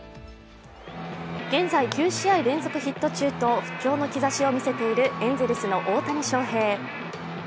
現在、９試合連続ヒット中と復調の兆しを見せているエンゼルスの大谷翔平。